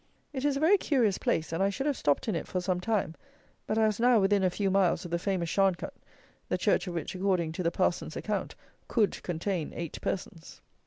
It is a very curious place, and I should have stopped in it for some time, but I was now within a few miles of the famous Sharncut, the church of which, according to the parson's account, could contain eight persons!